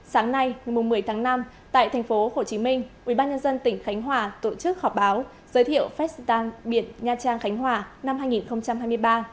sáng nay tại tp hcm ubnd tỉnh khánh hòa tổ chức họp báo giới thiệu festival biển nha trang khánh hòa năm hai nghìn hai mươi ba